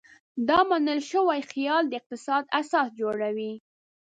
دا منل شوی خیال د اقتصاد اساس جوړوي.